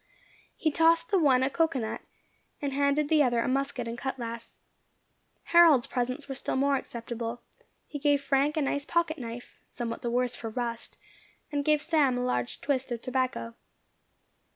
He tossed the one a cocoanut, and handed the other a musket and cutlass. Harold's presents were still more acceptable; he gave Frank a nice pocket knife, somewhat the worse for rust, and gave Sam a large twist of tobacco.